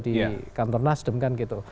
di kantor nasdem kan gitu